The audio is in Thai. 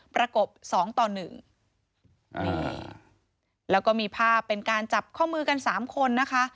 ประกบสองต่อหนึ่งนี่แล้วก็มีภาพเป็นการจับข้อมือกันสามคนนะคะ